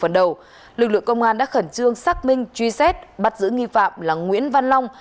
lực lượng công an đã khẩn trương xác minh truy xét bắt giữ nghi phạm là nguyễn văn long